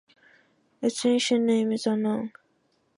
Its ancient name is unknown.